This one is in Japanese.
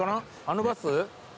あのバス？